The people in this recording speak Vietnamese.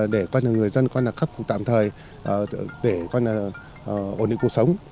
để người dân khắc phục tạm thời để ổn định cuộc sống